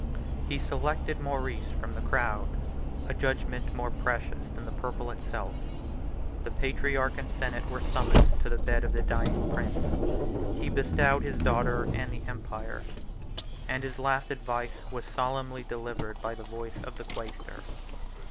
He selected Maurice from the crowd, a judgment more precious than the purple itself: the patriarch and senate were summoned to the bed of the dying prince: he bestowed his daughter and the empire; and his last advice was solemnly delivered by the voice of the quaestor.